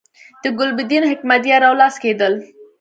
د ګلبدین حکمتیار یو لاس کېدل.